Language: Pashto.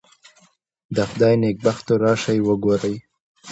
د خدای نېکبختو راشئ وګورئ.